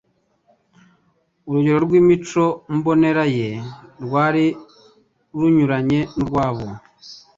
Urugero rw'imico mbonera Ye rwari runyuranye n'urwabo